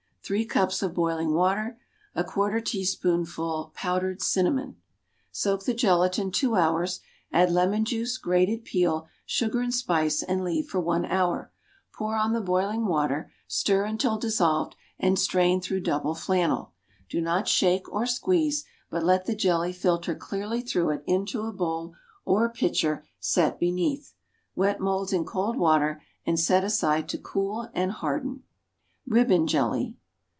Three cups of boiling water. A quarter teaspoonful powdered cinnamon. Soak the gelatine two hours; add lemon juice, grated peel, sugar and spice, and leave for one hour. Pour on the boiling water, stir until dissolved, and strain through double flannel. Do not shake or squeeze, but let the jelly filter clearly through it into a bowl or pitcher set beneath. Wet moulds in cold water and set aside to cool and harden. Ribbon Jelly.